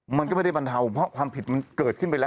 มันก็ไม่ได้บรรเทาเพราะความผิดมันเกิดขึ้นไปแล้ว